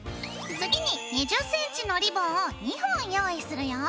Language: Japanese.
次に２０ｃｍのリボンを２本用意するよ。